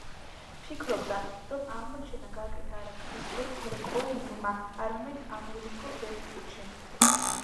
ფიქრობდა, რომ აღმოჩენა გააკეთა არა ქრისტეფორე კოლუმბმა, არამედ ამერიგო ვესპუჩიმ.